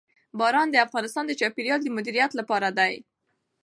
باران د افغانستان د چاپیریال د مدیریت لپاره دی.